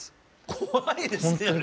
怖いですねあれ。